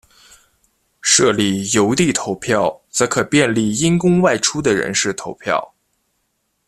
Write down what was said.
设立邮递投票则可便利因公外出的人士投票。